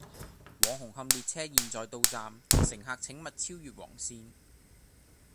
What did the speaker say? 往紅磡列車現在到站，乘客請勿超越黃線